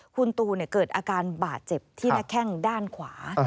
คุณตูเกิดอาการบาดเจ็บที่หน้าแข้งด้านขวา